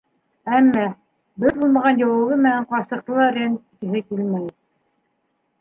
Әммә... дөрөҫ булмаған яуабы менән ҡарсыҡты ла рәнйеткеһе килмәй.